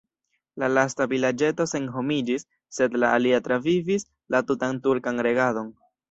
La lasta vilaĝeto senhomiĝis, sed la alia travivis la tutan turkan regadon.